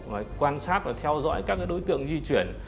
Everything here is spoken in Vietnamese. cũng rất là tập trung quan sát và theo dõi các đối tượng di chuyển